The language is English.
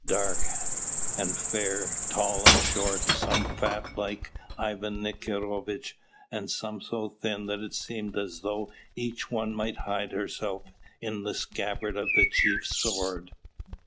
dark and fair, tall and short, some fat like Ivan Nikiforovitch, and some so thin that it seemed as though each one might hide herself in the scabbard of the chief's sword.